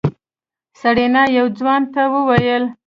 سېرېنا يو ځوان ته وويل.